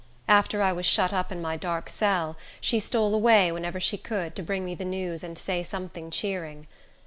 After I was shut up in my dark cell, she stole away, whenever she could, to bring me the news and say something cheering.